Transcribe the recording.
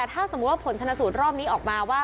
ถ้าสมมุติว่าผลชนะสูตรรอบนี้ออกมาว่า